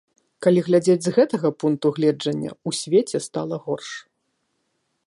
Калі глядзець з гэтага пункту гледжання, у свеце стала горш.